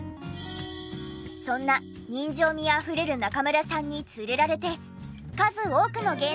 そんな人情味あふれる中村さんに連れられて数多くの芸能人がこの店を訪れ。